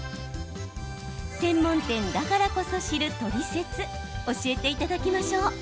専門店だからこそ知るトリセツ教えていただきましょう。